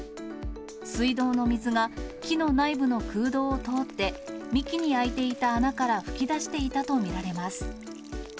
水道の水が木の内部の空洞を通って、幹に開いていた穴から噴き出していたと見られます。